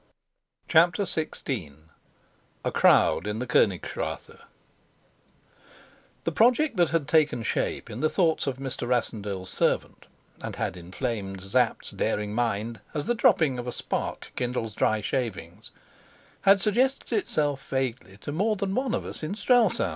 CHAPTER XVI. A CROWD IN THE KONIGSTRASSE The project that had taken shape in the thoughts of Mr. Rassendyll's servant, and had inflamed Sapt's daring mind as the dropping of a spark kindles dry shavings, had suggested itself vaguely to more than one of us in Strelsau.